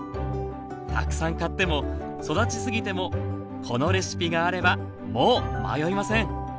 たくさん買っても育ちすぎてもこのレシピがあればもう迷いません！